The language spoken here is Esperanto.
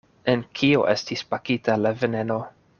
En kio estis pakita la veneno?